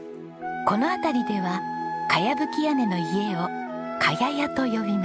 この辺りでは茅葺き屋根の家を茅屋と呼びます。